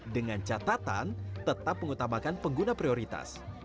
dengan catatan tetap mengutamakan pengguna prioritas